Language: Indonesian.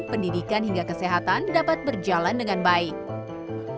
dan kemampuan untuk memperoleh kemampuan kemampuan kemampuan kemampuan kemampuan kemampuan